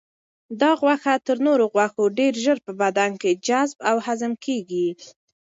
دا غوښه تر نورو غوښو ډېر ژر په بدن کې جذب او هضم کیږي.